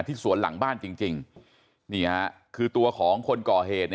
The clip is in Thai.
สวนหลังบ้านจริงนี่ฮะคือตัวของคนก่อเหตุ